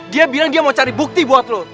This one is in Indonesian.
dia bilang dia mau cari bukti buat lo